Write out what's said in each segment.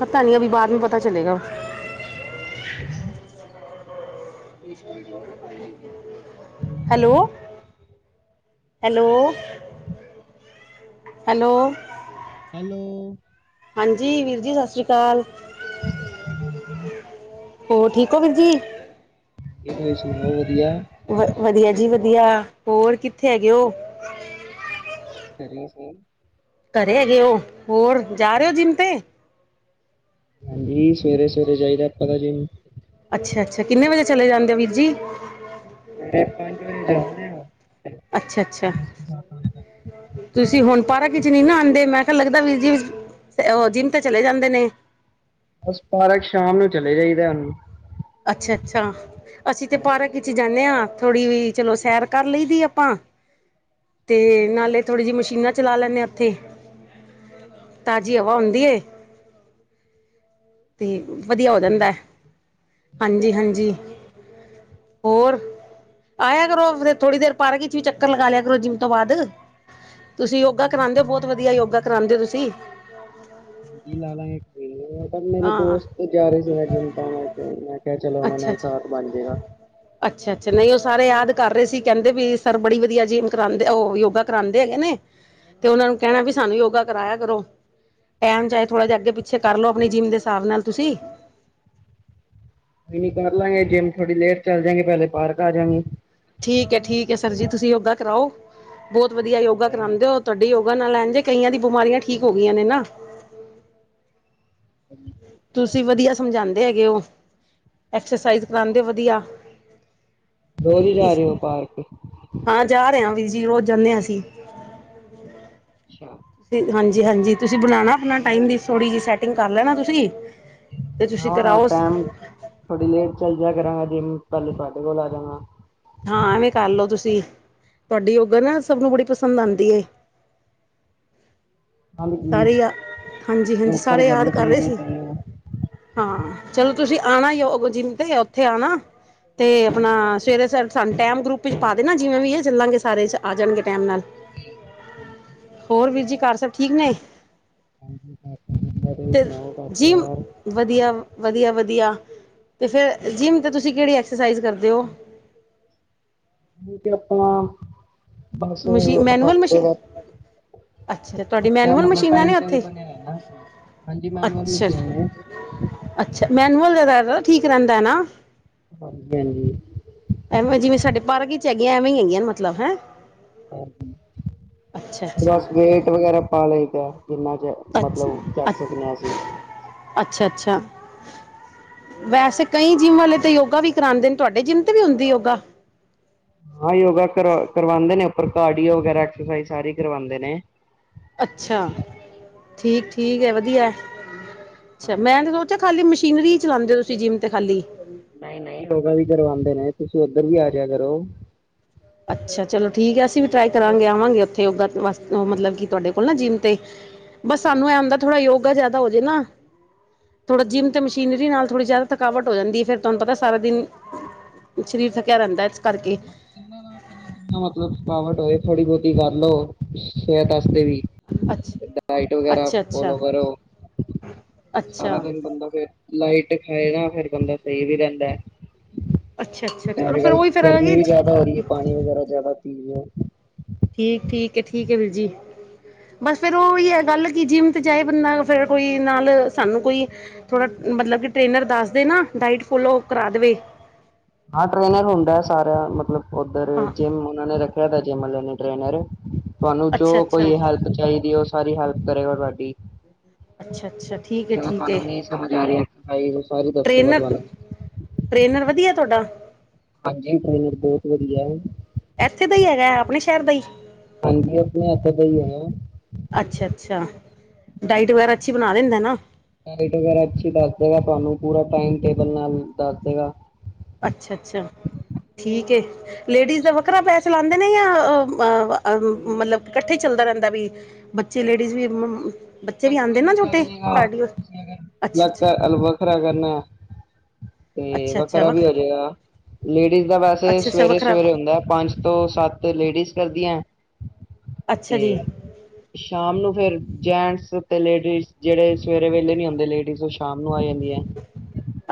ਪਤਾ ਨੀ ਆ ਵੀ ਬਾਅਦ ਪਤਾ ਚਲੇਗਾ [inaudible] ਹੈਲੋ ਹੈਲੋ ਹੈਲੋ ਹੈਲੋ ਹਾਂਜੀ ਵੀਰ ਜੀ ਸਤਿ ਸ਼੍ਰੀ ਅਕਾਲ [inaudible] ਹੋਰ ਠੀਕ ਓ ਵੀਰ ਜੀ ਇਹ ਤੁਸੀਂ ਸੁਣਾਓ ਵਧੀਆ ਵਧੀਆ ਜੀ ਵਧੀਆ ਹੋਰ ਕਿੱਥੇ ਹੈਗੇ ਉਹ [inaudible] ਘਰੇ ਹੈਗੇ ਉਹ ਹੋਰ ਜਾ ਰਹੇ ਜੀ। ਹੋ ਜਿੰਮ ਤੇ ਹਾਂਜੀ ਸਵੇਰੇ ਸਵੇਰੇ ਚਾਹੀਦਾ ਆਪਾਂ ਤਾਂ ਜੀ ਅੱਛਾ ਅੱਛਾ ਕਿੰਨੇ ਵਜੇ ਚਲੇ ਜਾਂਦੇ ਆ ਵੀਰ ਜੀ [inaudible] ਅੱਛਾ ਅੱਛਾ [inaudible] ਤੁਸੀਂ ਹੁਣ ਪਾਰਕ ਚ ਨਹੀਂ ਨਾ ਆਉਂਦੇ ਮੈਂ ਕਿਹਾ ਲੱਗਦਾ ਵੀ ਜੀ ਤੇ ਉਹ ਜਿੰਮ ਤੇ ਚਲੇ ਜਾਂਦੇ ਨੇ ਬਸ ਪਾਰਕ ਸ਼ਾਮ ਨੂੰ ਚਲੇ ਜਾਈਦਾ ਉਹਨੂੰ ਅੱਛਾ ਅੱਛਾ ਅਸੀਂ ਤੇ ਹਾਂਜੀ। ਪਾਰਕ ਵਿੱਚ ਜਾਂਨੇ ਆ ਹਾਂ ਥੋੜ੍ਹੀ ਵੀ ਚਲੋਂ ਸ਼ੈਰ ਕਰ ਲਈ ਦੀ ਆਪਾਂ‌ ਤੇ ਨਾਲ਼ੇ ਥੋੜ੍ਹੀ ਜਿਹੀ ਮਸ਼ੀਨਾਂ ਚਲਾ ਲੈਂਦੇਂ ਉੱਥੇ। ਤਾਜ਼ੀ ਹਵਾ ਹੁੰਦੀਂ ਏਂ। ਤੇ ਵਧੀਆਂ ਹੋ ਵਧੀਆ ਜਾਂਦਾਂ। ਗੱਲ ਏ। ਹਾਂਜੀ, ਹਾਂਜੀ ਹੋਰ ਆਇਆਂ ਕਰੋਂ ਫ਼ਿਰ ਥੋੜ੍ਹੀ ਦੇਰ ਪਾਰਕ ਵਿੱਚ। ਤੁਸੀਂ ਵੀ ਚੱਕਰ ਲਗਾਂ ਲ਼ਿਆ ਕਰੋਂ ਜਿਮ ਤੋਂ ਬਾਅਦ ਤੁਸੀਂ ਯੋਗਾ ਹਾਂ-ਹਾਂ ਕਰਾਉਂਦੇ ਹੋ। ਕੋਈ ਨੀ ਬਹੁਤ ਲਾ ਵਧੀਆਂ ਯੋਗਾ ਲਾਂਗੇ। ਕਰਾਉਂਦੇ ਹੋ ਤੁਸੀਂ। [inaudible] ਮੇਰੇ ਹਾਂ ਦੋਸਤ ਜਾਂ ਰਹੇਂ ਸੀ। ਮੈਂ ਜਿਦਾ ਨਾਲ਼ ਮੈਂ ਕਿਹਾਂ ਚਲੋਂ ਉਹਨਾਂ ਅੱਛਾ ਨਾਲ਼ ਅੱਛਾ ਸਾਥ ਬਣ ਜਾਏਂਗਾ। ਅੱਛਾ ਅੱਛਾ ਨਹੀਂ ਉਹ ਸਾਰੇ ਯਾਦ ਕਰ ਰਹੇਂ ਸੀ। ਕਹਿੰਦੇ ਵੀ ਸਰ ਬੜੀ ਵਧੀਆਂ ਜਿੰਮ ਕਰਵਾਉਂਦੇ ਉਹ ਯੋਗਾ। ਕਰਾਉਂਦੇ ਹੈਗੇ ਨੇਂ ਤੇ ਉਹਨਾਂ ਨੂੰ ਕਹਿਣਾਂ ਵੀ ਸਾਂਨੂੰ ਯੋਗਾ ਕਰਾਇਆ ਕਰੋਂ। ਟਾਈਮ ਚਾਹੇਂ ਥੋੜਾ ਜਿਹਾਂ ਅੱਗੇ ਪਿੱਛੇ ਕਰ ਲੋ ਆਪਣੀਂ ਜਿੰਮ ਦੇ ਹਿਸਾਬ ਨਾਲ ਤੁਸੀਂ। ਨਹੀਂ ਨਹੀਂ ਕਰਲਾਂਗੇ ਜਿੰਮ। ਥੋੜੀ ਲੇਟ ਚੱਲ ਜਾਂਗੇ ਪਹਿਲੇ ਪਾਰਕ ਆਜਾਂਗੇ ਠੀਕ ਹੈ ਠੀਕ ਹੈਂ ਸਰ ਜੀ। ਤੁਸੀਂ ਯੋਗਾ ਕਰਾਓ ਬਹੁਤ ਵਧੀਆਂ ਯੋਗਾ ਕਰਾਉਂਦੇ ਹੋ। ਤੁਹਾਡੀ ਯੋਗਾ ਨਾਲ਼ ਲੈਣ ਜੇ ਕਈਆਂ ਦੀ ਬਿਮਾਰੀਆਂ ਠੀਕ ਹੋ ਗਈਆਂ ਨੇਂ ਨਾ। ਹਾਂਜੀ ਤੁਸੀਂ ਵਧੀਆ ਸਮਝਾਉਂਦੇ ਹੈਗੇ ਹੋ ਐਕਸਰਸਾਈਜ਼ ਕਰਾਉਂਦੇ ਹੋ ਵਧੀਆ ਤੇ ਰੋਜ਼ ਹੀ ਜਾ ਇਸ ਰਹੇ ਹੋ ਪਾਰਕ ਹਾਂ ਜਾ ਰਹੇ ਹ ਵੀਰ ਜੀ ਰੋਜ਼ ਜਾਂਦੇ ਹਾਂ ਅਸੀਂ ਅੱਛਾ ਹਾਂਜੀ ਹਾਂਜੀ ਤੁਸੀਂ ਬਣਾਣਾ ਆਪਣਾ ਟਾਈਮ ਦੀ ਥੋੜੀ ਜਿਹੀ ਸੈਟਿੰਗ ਕਰ ਲੈਣਾ ਤੁਸੀਂ ਤੇ ਤੁਸੀਂ ਹਾਂ, ਹਾਂ ਕਰਾਓ ਟਾਇਮ ਥੋੜੀ ਲੇਟ ਚੱਲ ਜਇਆ ਕਰਾਂਗਾ ਜਿਮ ਪਹਿਲੇ ਤੁਹਾਡੇ ਕੋਲ ਆ ਜਾਣਾ। ਹਾਂ ਐਵੇਂ ਕਰ ਲਓ ਤੁਸੀਂ। ਤੁਹਾਡੀ ਉਗਰ ਨਾ ਸਭ ਨੂੰ ਬੜੀ ਪਸੰਦ ਆਉਂਦੀ ਏਂ। ਹਾਂਜੀ। ਸਾਰੇ ਹਾਂਜੀ ਹਾਂਜੀ ਉੱਪਰ ਸਾਰੇ ਕਰਨੀਂ ਯਾਦ ਕਰ ਰਹੇ ਚਾਹੀਦੀ ਹੈ ਸੀ ਇਦਾਂ ਉਹ। ਹਾਂ ਚਲੋਂ ਤੁਸੀਂ ਆਣਾ ਹੀ ਜਿਮ ਦੇ ਜਾਂ ਉੱਥੇ ਆਣਾ। ਤੇ ਆਪਣਾਂ ਸਵੇਰੇ ਸਾਰ ਸਾਨੂੰ ਟੈਮ ਗਰੁੱਪ ਵਿੱਚ ਪਾ ਦੇਣਾ ਜਿਵੇਂ ਵੀ ਆ ਚਲਾਂਗੇ ਸਾਰੇ ਆ ਜਾਂਣਗੇ ਟੈਮ ਨਾਲ। [unintelligible] ਹੋਰ ਵੀਰ ਜੀ ਘਰ ਸਭ ਠੀਕ ਨੇ। ਤੁਸੀਂ ਤੇ ਸੁਣਾਓ ਘਰ ਜੀ ਪਰਿਵਾਰ ਵਧੀਆ, ਵਧੀਆ, ਵਧੀਆ ਤੇ ਫਿਰ ਜਿੰਮ 'ਤੇ ਤੁਸੀਂ ਕਿਹੜੀ ਐਕਸਾਸਾਈਜ਼ ਕਰਦੇ ਹੋ। ਕਿਉਂ ਕਿ ਆਪਾਂ ਬਸ ਮਸ਼ੀ ਮੈਨੂਅਲ ਹਫ਼ਤੇ ਮਸ਼ੀਨ ਦਾ। ਅੱਛਾ ਤੁਹਾਡੀ ਹਫਤਾ ਮੈਨੂਅਲ ਮੱਤਲਬ ਮਸ਼ੀਨਾਂ ਟਾਈਮ ਨੇ ਟੇਬਲ ਉੱਥੇ ਬਣਿਆ ਨਾ। ਹਾਂਜੀ ਮੈਨਰ ਅੱਛਾ ਮਸ਼ੀਨ ਹੈ। ਅੱਛਾ ਮੈਨੂਅਲ ਦਾ ਠੀਕ ਰਹਿੰਦਾ ਨਾ। ਹਾਂਜੀ ਹਾਂਜੀ। ਐਵੇਂ ਜਿਵੇਂ ਸਾਡੇ ਪਾਰਕ ਵਿੱਚ ਹੈਗੀਆਂ ਐਵੇਂ ਹੈਗੀਆਂ ਨੇ ਮਤਲਬ ਹੈ। ਅੱਛਾ ਬਸ ਅੱਛਾ ਵੇਟ ਵਗੈਰਾ ਪਾ ਲਈ ਦਾ ਜਿੰਨਾ ਜ। ਅੱਛ ਮੱਤਲਬ ਚੱਕ ਸਕਦੇ ਹਾਂ ਅਸੀਂ। ਅੱਛਾ ਅੱਛਾ। ਵੈਸੇ ਕਈ ਜਿੰਮ ਵਾਲੇ ਤੇ ਯੋਗਾ ਵੀ ਕਰਾਉਂਦੇ ਨੇਂ ਤੁਹਾਡੇ ਜਿੰਮ ਤੇ ਨੀਂ ਹੁੰਦੀ ਯੋਗਾ। ਹਾਂ ਯੋਗਾ ਕਰਵਾ ਕਰਵਾਉਂਦੇ ਨੇਂ ਪਰ ਕਾਰਡੀਓ ਵਗੈਰਾ ਐਕਸਾਸਾਈਜ਼ ਸਾਰੀ ਕਰਵਾਉਂਦੇ ਨੇ। ਅੱਛਾ ਠੀਕ ਠੀਕ ਹੈ ਵਧੀਆ। ਅੱਛਾ ਮੈਂ ਹਾਂਜੀ ਤੇ ਖਾਲੀ ਮਸ਼ੀਨਰੀ ਚਲਾਉਂਦੇ ਤੁਸੀਂ ਜਿੰਮ ਤੇ ਖਾਲੀ। ਨਹੀਂ ਨਹੀਂ ਯੋਗਾ ਵੀ ਕਰਵਾਉਂਦੇ ਨੇਂ। ਤੁਸੀਂ ਉੱਧਰ ਵੀ ਆ ਜਿਆ ਕਰੋ। ਅੱਛਾ ਚਲੋ ਠੀਕ ਹੈਂ। ਅਸੀਂ ਵੀ ਟ੍ਰਾਈ ਕਰਾਂਗੇ ਆਂਵਾਂਗੇ ਉੱਥੇ। ਯੋਗਾ ਵਾ ਮੱਤਲਬ ਹਾਂਜੀ ਕਿ ਤੁਹਾਡੇ ਕੋਲ ਨਾ ਜਿੰਮ ਤੇ ਬਸ ਸਾਨੂੰ ਇਹ ਹਾਂਜੀ। ਹੁੰਦਾ। ਥੋੜਾ ਯੋਗਾ ਜ਼ਿਆਦਾ ਹੋ ਜੇ ਨਾ। ਥੋੜਾ ਜਿੰਮ ਤੇ ਮਸ਼ੀਨਰੀ ਨਾਲ ਥੋੜੀ ਜ਼ਿਆਦਾ ਥਕਾਵਟ ਹੋ ਜਾਂਦੀ। ਫਿਰ ਤੁਹਾਂਨੂੰ ਪਤਾ ਸਾਰਾ ਦਿਨ। ਸ਼ਰੀਰ ਥਕਿਆ ਰਹਿੰਦਾ ਇਸ ਕਰਕੇ। ਮੱਤਲਬ ਥਕਾਵਟ ਹੋਵੇਂ। ਥੋੜੀ ਬਹੁਤੀ ਕਰ ਲਓ ਸਿਹਤ ਵਾਸਤੇ ਵੀ। ਅੱਛਾ ਡਾਇਟ ਵਗੈਰਾ ਅੱਛਾ ਅੱਛਾ ਫੋਲੋ ਕਰੋ। ਸਾਰਾ ਅੱਛਾ ਦਿਨ ਬੰਦਾ ਫਿਰ ਲਾਈਟ ਖਾਏਗਾ। ਫਿਰ ਬੰਦਾ ਸਹੀ ਵੀ ਰਹਿੰਦਾ। ਅੱਛਾ ਅੱਛਾ ਚਲੋ ਐ ਫਿਰ ਗੱਲ ਉਹੀ ਫਿਰ ਗਰਮੀਂ ਵੀ ਜ਼ਿਆਦਾ ਹੋ ਰਹੀ ਹੈ। ਪਾਣੀ ਵਗੈਰਾ ਜ਼ਿਆਦਾ ਪੀ ਲਿਓ ਠੀਕ, ਠੀਕ ਹੈ ਠੀਕ ਹੈ ਵੀਰ ਜੀ। ਬਸ ਫਿਰ ਉਹੀ ਹੈ ਗੱਲ ਕਿ ਜਿੰਮ ਚ ਜਾਏ ਬੰਦਾ ਫਿਰ ਕੋਈ ਨਾਲ ਸਾਨੂੰ ਕੋਈ। ਥੋੜਾ ਮੱਤਲਬ ਕਿ ਟ੍ਰੇਨਰ ਦੱਸ ਦੇ ਨਾ ਡਾਇਟ ਫੋਲੋ ਕਰਾ ਦੇਵੇ। ਹਾਂ ਟ੍ਰੇਨਰ ਹੁੰਦਾ ਸਾਰਾ। ਮੱਤਲਬ ਉੱਧਰ ਹਾਂ ਜਿੰਮ ਉਹਨਾਂ ਨੇਂ ਰੱਖਿਆ। ਮੈਂ ਤਾਂ ਜਿੰਮ ਲੈਨਾਂ ਟ੍ਰੇਨਰ। ਤੁਹਾਂਨੂੰ ਜ਼ੋ ਅੱਛਾ ਅੱਛਾ ਕੋਈ ਹੈਲਪ ਚਾਹੀਦੀ ਉਸ। ਸਾਰੀ ਹੈਲਪ ਕਰੇਗਾ ਤੁਹਾਡੀ। ਅੱਛਾ ਅੱਛਾ ਠੀਕ ਹੈ ਜਦੋਂ ਠੀਕ ਹੈ ਤੁਹਾਨੂੰ ਨਹੀਂ ਸਮਝ ਆ ਰਿਹਾਂ। ਡਾਇਟ ਸਾਰੀ ਦੱਸੇਗਾ ਟ੍ਰੇਨਰ ਤੁਹਾਨੂੰ। ਟ੍ਰੇਨਰ, ਵਧੀਆ ਤੁਹਾਡਾ ਹਾਂਜੀ, ਟ੍ਰੇਨਰ ਬਹੁਤ ਵਧੀਆ। ਇੱਥੇ ਦਾ ਹੀ ਹੈਗਾ, ਆਪਣੇ ਸ਼ਹਿਰ ਦਾ ਹੀ ਹਾਂਜੀ, ਆਪਣੇ ਇਥੇ ਦਾ ਹੀ ਹੈਗਾ ਅੱਛਾ ਅੱਛਾ ਡਾਈਟ ਵਗੈਰਾ, ਅੱਛੀ ਬਣਾ ਲੈਂਦਾ ਨਾ ਲਾਈਟ ਵਗੈਰਾ ਅੱਛੀ ਦੱਸ ਦੇਗਾ ਤੁਹਾਨੂੰ ਪੂਰਾ ਟਮ ਟੇਬਲ ਨਾਲ ਦੱਸ ਦੇਗਾ ਅੱਛਾ ਅੱਛਾ ਠੀਕ ਲੇਡੀਜ਼ ਦਾ ਤੁਸੀਂ ਵੱਖਰਾ ਫੋਲੋ ਪੈਸੇ ਕਰੋ ਚਲਾਉਂਦੇ ਅ ਮਤਲਬ ਇਕੱਠੇ ਚੱਲਦਾ ਰਹਿੰਦਾ ਵੀ ਬੱਚੇ ਲੇਡੀਜ਼ ਵੀ ਇਕਠੇ ਆਉਂਦੇ ਨਾ ਵੀ ਕਰ ਛੋਟੇ ਲਿਆ ਕਾਰਡੀਓ ਅੱਛਾ ਅੱਛਾ ਵੱਖਰਾ ਖਰਾ ਕਰਨਾ ਆ ਤੇ ਅੱਛਾ ਅੱਛਾ ਵੱਖਰਾ ਵੱਖ ਵੀ ਹੋ ਜਾਏਗਾ ਲੇਡੀਜ਼ ਦਾ ਵੈਸੇ ਅੱਛਾ ਅੱਛਾ ਸਵੇਰੇ ਵੱਖਰਾ ਸਵੇਰੇ ਹੁੰਦਾ ਪੰਜ ਦੋ ਸੱਤ ਲੇਡੀਜ਼ ਕਰਦੀਆਂ ਅੱਛਾ ਤੇ ਜੀ ਸ਼ਾਮ ਨੂੰ ਫਿਰ ਜੈਂਟਸ ਲੇਡੀਜ਼ ਜਿਹੜੇ ਸਵੇਰੇ ਵੇਲੇ ਨੀ ਆਉਂਦੇ ਲੇਡੀਜ਼ ਉਹ ਸ਼ਾਮ ਨੂੰ ਆ ਜਾਂਦੀ ਹੈ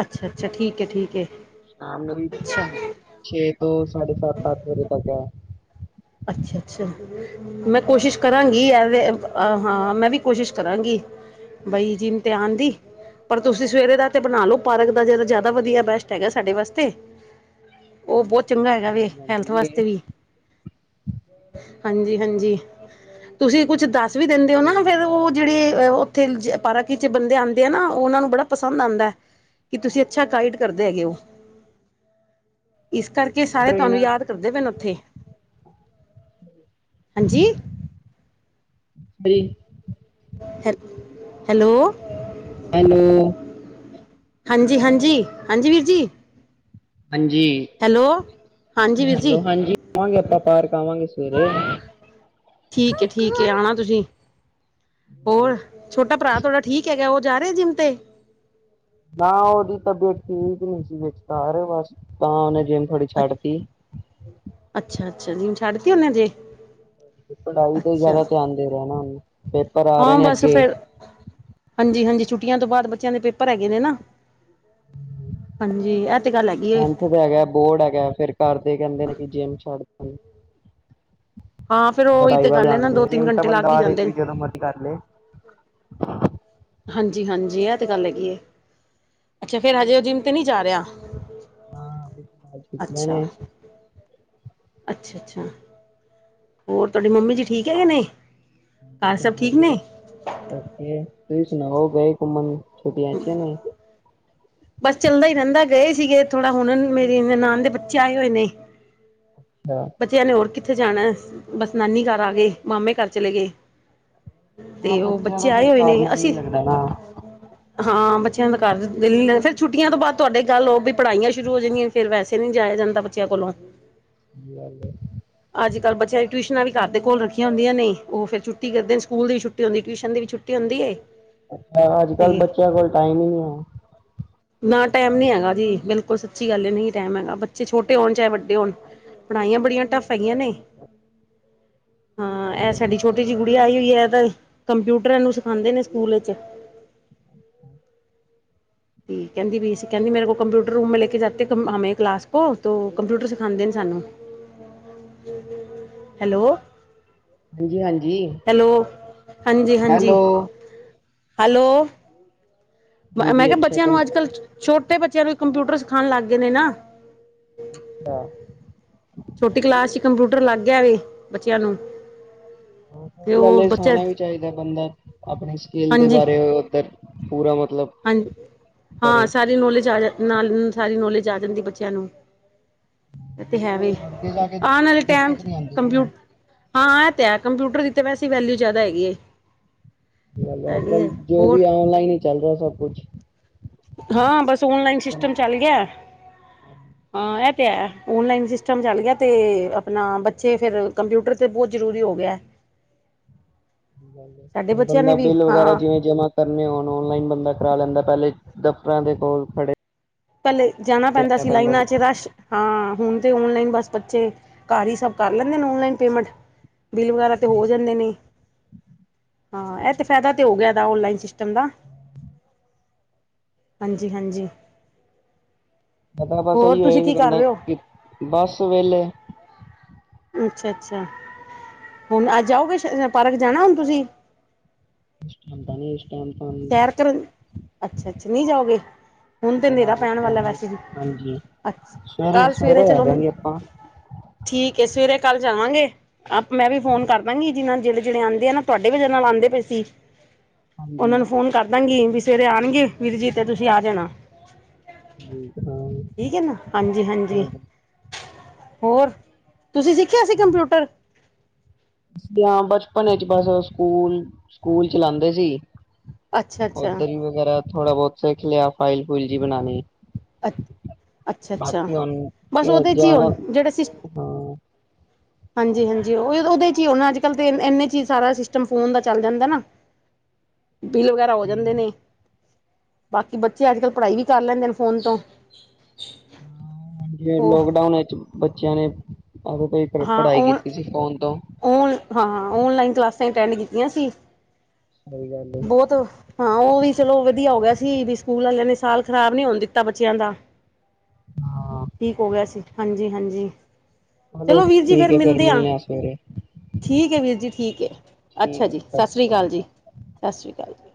ਅੱਛਾ ਅੱਛਾ ਠੀਕ ਹੈ ਠੀਕ ਹੈ ਸ਼ਾਮ ਨੂੰ ਵੀ ਅੱਛਾ ਛੇ ਤੋਂ ਸਾਢੇ ਸੱਤ ਤੱਕ ਨਿਕਲਦੇ ਹੈ ਅੱਛਾ ਅੱਛਾ ਮੈਂ ਕੋਸ਼ਿਸ਼ ਕਰਾਂਗੀ, ਹਾਂ ਮੈਂ ਵੀ ਕੋਸ਼ਿਸ਼ ਕਰਾਂਗੀ,। ਬਈ, ਜਿਮ ਤੇ ਆਣ ਦੀ ਪਰ ਤੁਸੀਂ, ਸਵੇਰੇ ਦਾ ਤੇ ਬਣਾ ਲਓ ਪਾਰਕ ਦਾ, ਜ ਜ਼ਿਆਦਾ ਵਧੀਆ ਬੈਸਟ ਹੈਗਾ, ਸਾਡੇ ਵਾਸਤੇ ਉਹ, ਬਹੁਤ ਚੰਗਾ ਹੈਗਾ ਵੇ, ਹੈਲਥ ਹਾਂਜੀ-ਹਾਂਜੀ ਵਾਸਤੇ ਵੀ ਹਾਂਜੀ ਹਾਂਜੀ ਤੁਸੀਂ ਕੁਛ, ਦੱਸ ਵੀ ਦਿੰਦੇ ਹੋ ਨਾ, ਫੇਿਰ ਉਹ ਜਿਹੜੇ ਉੱਥੇ ਪਾਰਕ ਬੰਦੇ ਆਉਂਦੇ ਆ ਨਾ, ਉਹਨਾਂ ਨੂੰ ਬੜਾ ਪਸੰਦ ਆਦਾ, ਕਿ ਤੁਸੀਂ ਅੱਛਾ ਗਾਈਡ, ਕਰਦੇ ਹੈਗੇ ਹੋ [unintelligible] ਇਸ ਕਰਕੇ ਸਾਰੇ ਤੁਹਾਨੂੰ, ਟ੍ਰੇਨਰ ਯਾਦ ਕਰਦੇ ਪਏ ਨੇ ਉੱਥੇ? ਹਾਂਜੀ ਹ [inaudible] ਹੈਲੋ ਹੈਲੋ? ਹਾਂਜੀ ਹਾਂਜੀ ਹਾਂਜੀ, ਵੀਰ ਜੀ ਹਾਂਜੀ, ਹੈਲੋ ਹਾਂਜੀ ਵੀਰ ਜੀ ਹੈਲੋ ਹਾਂਜੀ ਆਵਾਂਗੇ ਆਪਾਂ, ਪਾਰਕ ਆਵਾਂਗੇ ਸਵੇਰੇ ਠੀ ਹੈ ਠੀਕ ਆਣਾ ਤੁਸੀਂ, ਹੋਰ ਛੋਟਾ ਭਰਾ, ਤੁਹਾਡਾ ਠੀਕ ਹੈਗਾ, ਉਹ ਜਾ ਰਿਹਾ ਜਿੰਮ, ਤੇ ਨਾ ਉਹਦੀ ਤਬੀਅਤ, ਠੀਕ ਨਹੀਂ ਸੀ, ਉ ਘਰ ਏ ਬਸ, ਤਾਂ ਉਹਨੇ ਜਿਮ ਅੱਛਾ-ਅੱਛਾ ਜਿ ਛੱਡ ਤ ਤੇ ਆਉਣਾ ਜੇ ਪੜ੍ਹਾਈ ਤੇ ਜ਼ਿਆਦਾ, ਧਿਆਨ ਦੇ ਰਿਹਾ ਨਾ ਆ ਰਹੇ ਹਾਂ ਨੇ ਬਸ ਅੱਗੇ ਫੇਿਰ, ਹਾਂਜੀ ਹਾਂਜੀ ਛੁੱਟੀਆਂ ਤੋਂ ਬਾਅਦ, ਬੱਚਿਆਂ ਦੇ ਪੇਪਰ ਹੈਗੇ ਨੇ, ਨਾ ਹਾਂਜੀ ਇਹ ਤੇ ਗੱਲ ਹੈਗੀ ਏ ਹੁਣ, ਕੌਣ ਰਹਿ ਗਿਆ ਬੋਰਡ ਹੈਗਾ, ਫੇਰ ਘਰ ਦੇ ਕਹਿੰਦੇ ਨੇ ਕਿ ਜਿਮ, ਛੱਡ ਦੇ ਹਾਂ ਫਿਰ ਉਹੀ ਪੜ੍ਹਾਈ ਤੇ ਵੱਲ ਗੱਲ ਹੈ ਧਿਆਨ ਨਾ ਦੇ ਦੋ ਤਿੰਨ ਜਿਮ ਤਾਂ ਘੰਟੇ ਲੱਗ ਹੀ ਬੰਦਾ ਜਾਂਦੇ ਨੇ ਜਦੋਂ, ਮਰਜ਼ੀ ਲਏ ਹਾਂ [unintelligible] ਹਾਂਜੀ ਹਾਂਜੀ ਇਹ ਤੇ ਗੱਲ ਹੈਗੀ ਏ, ਅੱਛਾ ਫੇਿਰ ਉ ਹਜੇ ਉਹ ਜਿੰਮ ਤੇ ਨਹੀਂੀ ਜਾ, ਰਿਹਾ ਹਾਂ ਅੱਛਾ [inaudible] ਅੱਛਾ ਅੱਛਾ ਹੋਰ ਤੁਹਾਡੀ ਮੰਮੀ ਜੀ, ਠੀਕ ਹੈ ਕਿ, ਨਈ ਓਕੇ, ਤੁਸੀਂ ਸੁਣਾਓ? ਗਏ ਘੁੰਮਨ ਛੁਟੀਆਂ ਚ ਕਿ, ਨਈ? ਬਸ ਚੱਲਦਾ ਹੀ ਰਹਿੰਦਾ, ਗਏ ਸੀਗੇ ਥੋੜਾ ਹੁਣ, ਮੇਰੀ ਨਨਾਨ ਦੇ ਬੱਚੇ ਆਏ ਹੋਏ, ਨੇ ਅੱਛਾ, ਬੱਚਿਆਂ, ਨੇ ਹੋਰ ਕਿੱਥੇ ਜਾਣਾ। ਬਸ ਨਾਨੀ ਘਰ ਆ ਗਏ, ਮਾਮੇ ਘਰ ਚਲੇ, ਗਏ ਹਾਂ ਤੇ, ਉਹ ਬੱਚਿਆਂ ਬੱਚੇ ਦਾ ਆਏ ਫਿਰ ਹੋਏ ਨੇ, ਘਰ ਮਨ ਅਸੀਂ ਨੀ ਲੱਗਦਾ ਨਾ ਹਾਂ, ਬੱਚਿਆਂ ਦਾ ਘਰ ਦਿਲ ਨੀ ਫੇਰ ਛੁੱਟੀਆਂ ਤੋਂ ਬਾਅਦ, ਤੁਹਾਡੇ ਗੱਲ ਹੋ ਵੀ ਪੜ੍ਹਾਈਆਂ ਸ਼ੁਰੂ ਹੋ ਜਾਂਦੀਆਂ, ਫੇਰ ਵੈਸੇ ਨੀ ਜਾਇਆ ਜਾਂਦਾ, ਬੱਚਿਆਂ ਕੋਲੋਂ। [unintelligible] ਅੱਜ ਕੱਲ ਬੱਚਿਆਂ ਦੀ ਟਿਊਸ਼ਨਾਂ ਵੀ ਘਰ ਦੇ ਕੋਲ ਰੱਖੀਆਂ ਹੂੰਦੀਆਂ ਨਹੀਂ ਉਹ ਫੇਰ ਛੁਟੀ ਕਰਦੇ ਸਕੂਲ ਦੀ ਛੁੱਟੀ ਹੁੰਦੀ ਟਿਊਸ਼ਨ ਦੀ ਛੁੱਟੀ ਹੁੰਦੀ ਏ। ਅੱਛਾ ਅੱਜ ਕੱਲ੍ਹ ਬੱਚਿਆਂ ਕੋਲ ਟਾਈਮ ਹੀ ਨਈਂ ਐ। ਨਾ ਟਾਈਮ ਨਹੀਂ ਹੈਗਾ ਜੀ, ਬਿਲਕੁਲ ਸੱਚੀ ਗੱਲ ਹੈ, ਨਹੀਂ ਟਾਈਮ ਹੈਗਾ, ਬੱਚੇ ਛੋਟੇ ਹੋਣ ਚਾਹੇ ਵੱਡੇ ਤੇ ਹੋਰ ਪੜ੍ਹਾਈਆਂ, ਬੜੀਆਂ ਟੱਫ ਹੈਗੀਆਂ ਨੇ। ਹਾਂ, ਐ ਹੈ ਸਾਡੀ ਛੋਟੀ ਜਿਹੀ, ਗੁੜੀਆ ਆਈ ਹੋਈ ਹੈ, ਕੰਪਿਊਟਰਾਂ ਏਨੂੰ ਸਿਖਾਉਂਦੇ ਨੇ, ਸਕੂਲ ਵਿੱਚ ਤੇ ਕਹਿੰਦੀ ਪਈ ਸੀ, ਕਹਿੰਦੀ ਮੇਰੇ ਕੋਲ ਕੰਪਿਊਟਰ ਰੂਮ ਮੈ ਲੈ ਕੇ ਜਾਤੇ ਹਮੇ ਕਲਾਸ ਕੋ, ਕੰਪਿਊਟਰ ਸਿਖਾਉਂਦੇ ਨੇ, ਸਾਨੂੰ ਹਾਂ [inaudible] ਹੈਲੋ। ਹਾਂਜੀ ਹਾਂਜੀ ਹੈਲ। ਹਾਂਜੀ ਹਾਂਜੀ। ਹੈਲੋ ਹੈਲੋ, ਮੈਂ ਹਾਂਜੀ ਕਿਹਾ ਅੱਛਾ ਬੱਚਿਆਂ ਨੂੰ ਅੱਜ ਕੱਲ ਛੋਟੇ ਬੱਚਿਆਂ ਨੂੰ ਵੀ ਕੰਪਿਊਟਰ, ਸਿਖਾਉਣ ਲੱਗ ਗਏ ਨੇ, ਨਾ ਅੱਛਾ। ਛੋਟੀ ਕਲਾਸ ਚ ਕੰਪਿਊਟਰ ਲੱਗ ਗਿਆ ਵੈ ਬੱਚਿਆਂ ਨੂੰ। ਤੇ ਸਹੀ ਗੱਲ ਉਹ ਹੈ ਬੱਚੇ ਸਣਾਣਾ ਵੀ ਚਾਹੀਦਾ ਬੰਦਾ ਆਪਣੇ ਸਕਿੱਲ ਦੇ ਹਾਂਜੀ ਬਾਰੇ ਉੱਧਰ ਪੂਰਾ ਮਤਲਬ। ਹਾਂਜੀ। ਹਾਂ ਕਰੇ ਸਾਰੀ ਨੌਲੇਜ ਆ ਨਾਲ ਸਾਰੀ ਨੌਲੇਜ ਆ ਜਾਂਦੀ ਬੱਚਿਆਂ ਨੂੰ। ਤੇ ਹੈ ਵੀ ਅੱਗੇ ਜਾ ਕੇ ਆਉਣ ਵਾਲੇ ਟੈਮ ਦਿੱਕਤ ਚ ਨੀ ਆਂਦੀ ਨਾ। ਕੰਪਿਊ ਹਾਂ, ਇਹ ਤੇ ਹੈ ਕੰਪਿਊਟਰ ਦੀ ਤਾਂ ਵੈਸੇ ਵੈਲਿਊ ਜ਼ਿਆਦਾ ਹੈਗੀ। [inaudible] ਅੱਜ ਹੈਗੀ ਕੱਲ ਹੈ ਜੋ ਹੋਰ ਵੀ ਔਨਲਾਈਨ ਹੀ ਚੱਲ ਰਿਹਾ ਸਭ ਕੁਛ। ਹਾਂ, ਬਸ ਔਨਲਾਈਨ ਸਿਸਟਮ ਚੱਲ ਗਿਆ। ਹਾਂ, ਇਹ ਤੇ ਹੈ ਓਨਲਾਈਨ ਸਿਸਟਮ ਚੱਲ ਗਿਆ ਤੇ ਆਪਣਾ ਬੱਚੇ ਫਿਰ ਕੰਪਿਊਟਰ ਤਾਂ ਬਹੁਤ ਜ਼ਰੂਰੀ ਹੋ ਗਿਆ। ਸਾਡੇ ਬੱਚਿਆਂ ਬੰਦਾ ਨੇ ਵੀ ਬਿਲ ਵਗੈਰਾ ਹਾਂ ਜਿਵੇਂ ਜਮਾ ਕਰਨੇ ਹੋਣ ਔਨਲਾਈਨ ਬੰਦਾ ਕਰਾ ਲੈਂਦਾ ਪਹਿਲੇ ਦਫ਼ਤਰਾਂ ਦੇ ਕੋਲ ਖੜੇ ਪਲੇ ਜਾਣਾ ਪੈਂਦਾ ਸੀ ਲਾਈਨਾਂ ਚ ਰਸ਼ ਹਾਂ, ਹੁਣ ਤੇ ਓਨਲਾਈਨ ਬਸ ਬੱਚੇ ਘਰ ਹੀ ਸਭ ਕਰ ਲੈਂਦੇ ਨੇ ਓਨਲਾਈਨ ਪੇਮੈਂਟ। ਬਿੱਲ ਵਗੈਰਾ ਤੇ ਹੋ ਜਾਂਦੇ ਨੇ। ਹਾਂ, ਇਹ ਤੇ ਫਾਇਦਾ ਤੇ ਹੋ ਗਿਆ ਇਹਦਾ ਔਨਲਾਈਨ ਸਿਸਟਮ ਦਾ। ਹਾਂਜੀ, ਹਾਂਜੀ। ਪਤਾ ਬਸ ਹੋਰ ਇਹੀ ਤੁਸੀਂ ਹੋਏ ਕਿ ਕੀ ਕਰ ਬੰਦਾ ਰਹੇ ਹੋ ਬੱਸ ਵੇਲੇ ਅੱਛਾ, ਅੱਛਾ। ਹੁਣ ਅੱਜ ਆਓਗੇ ਪਾਰਕ ਜਾਣਾ ਹੁਣ ਤੁਸੀਂ। [inaudible] ਕੈਂਪਨੀ ਸੈਰ ਕਰਨ ਅੱਛਾ, ਅੱਛਾ ਨਹੀਂ ਜਾਓਗੇ। ਹੁਣ ਤੇ ਹਾਂ, ਹਨੇਰਾ ਇਸ ਪੈਣ ਤਰ ਵਾਲਾ ਵੈਸੇ ਵੀ ਹਾਂਜੀ ਅੱਛਾ ਸਵੇਰੇ ਕੱਲ ਸਵੇਰੇ ਆ ਚਲੋ ਜਾਗੇ ਆਪਾਂ। ਠੀਕ ਏ ਸਵੇਰੇ ਕੱਲ ਜਾਵਾਂਗੇ। ਆਪ ਮੈਂ ਵੀ ਫੋਨ ਕਰ ਦਾਂਗੀ ਜਿ ਜਿੜੇ ਜਿਹੜੇ ਆਉਂਦੇ ਆ ਨਾ ਤੁਹਾਡੇ ਵਜਾ ਨਾਲ ਆਦੇ ਪਏ ਸੀ। ਉਹਨਾਂ ਹਾਂਜੀ ਨੂੰ ਫ਼ੋਨ ਕਰਦਾਂਗੀ ਵੀ ਸਵੇਰੇ ਆਣਗੇ ਵੀਰ ਜੀ ਤੇ ਤੁਸੀਂ ਆ ਜਾਣਾ। ਹਾਂ ਠੀਕ ਹੈ ਨਾ। ਹਾਂਜੀ, ਹਾਂਜੀ। ਹੋਰ ਤੁਸੀਂ ਸਿੱਖਿਆ ਸੀ ਕੰਪਿਊਟਰ ਹਾਂ ਬਚਪਨ ਵਿੱਚ ਬਸ ਸਕੂਲ ਸਕੂਲ ਚਲਾਉਂਦੇ ਸੀ ਅੱਛਾ ਅੱਛਾ ਉੱਧਰ ਹੀ ਵਗੈਰਾ ਥੋੜ੍ਹਾ ਬਹੁਤ ਸਿੱਖ ਲਿਆ ਫਾਈਲ ਫੂਲ ਜਿਹੀ ਬਣਾਉਣੀ ਅ ਅੱਛਾ ਅੱਛਾ ਬਾਕੀ ਅਨ ਬਸ ਉਹਦੇ ਚ ਹੀ ਜਾਣਾ ਹੁਣ ਜਿਹੜੇ ਸਿਸ ਹਾਂ ਹਾਂਜੀ ਹਾਂਜੀ ਉਹ ਉਹਦੇ ਚ ਹੀ ਨਾ ਅੱਜ ਕੱਲ੍ਹ ਤੇ ਇੰਨੇ ਚ ਹੀ ਸਾਰਾ ਸਿਸਟਮ ਫੋਨ ਦਾ ਚੱਲ ਜਾਂਦਾ ਨਾ ਬਿੱਲ ਵਗੈਰਾ ਹੋ ਜਾਂਦੇ ਨੇ ਬਾਕੀ ਬੱਚੇ ਅੱਜ ਕੱਲ੍ਹ ਪੜ੍ਹਾਈ ਵੀ ਕਰ ਲੈਂਦੇ ਫੋਨ ਤੋਂ ਫ ਹੋਰ ਲੋਕਡਾਊਨ ਵਿੱਚ ਬੱਚਿਆਂ ਨੇ ਆ ਕੋਈ ਪੜ੍ਹਾਈ ਕੀਤੀ ਸੀ ਫੋਨ ਤੋਂ ਓਨ ਹਾਂ ਓਨਲਾਈਨ ਕਲਾਸਾਂ ਅਟੈਂਡ ਕੀਤੀਆਂ ਸੀ ਸਹੀ ਗੱਲ ਹੈ ਬਹੁਤ ਹਾਂ, ਉਹ ਵੀ ਚਲੋ ਵਧੀਆ ਹੋ ਗਿਆ ਸੀ, ਵੀ ਸਕੂਲ ਵਾਲਿਆਂ ਨੇ, ਸਾਲ ਖਰਾਬ ਨੀ ਹੋਣ ਦਿੱਤਾ ਬੱਚਿਆਂ ਦਾ। ਹਾਂ ਠੀਕ ਹੋ ਗਿਆ ਸੀ, ਹਾਂਜੀ -ਹਾਂਜੀ। ਚਲੋ ਵੀਰ ਜੀ ਠੀਕ ਫਿਰ ਹੈ ਫੇਰ ਮਿਲਦੇ ਹਾਂ ਮਿਲਣੇ ਆ ਸਵੇਰੇ ਠੀਕ ਹੈ ਵੀਰ ਜੀ ਠੀਕ ਹੈ ਅੱਛਾ ਜੀ ਸਤਿ ਸ਼੍ਰੀ ਅਕਾਲ ਜੀ ਸਤਿ ਸ਼੍ਰੀ ਅਕਾਲ ਜੀ